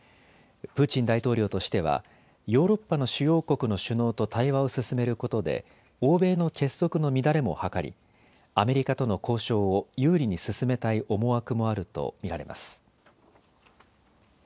プーチン大統領としてはヨーロッパの主要国の首脳と対話を進めることで欧米の結束の乱れも図りアメリカとの交渉を有利に進めたい思惑もあると見られます。